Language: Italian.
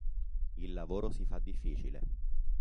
Il lavoro si fa difficile.